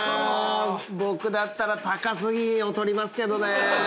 僕だったら高杉を取りますけどねぇ。